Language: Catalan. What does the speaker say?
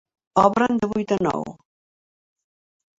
Obren de vuit a nou.